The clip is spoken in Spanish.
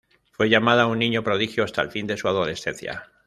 Fue llamada un niño prodigio hasta el fin de su adolescencia.